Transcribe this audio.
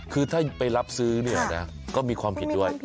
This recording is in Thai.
คือถ้าไปรับซื้อเนี่ยนะก็มีความผิดด้วย